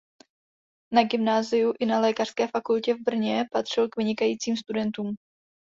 Na gymnáziu i na lékařské fakultě v Brně patřil k vynikajícím studentům.